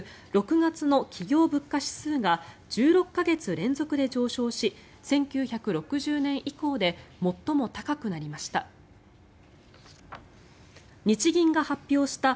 ６月の企業物価指数が１６か月連続で上昇し１９６０年以降で最も高くなりました。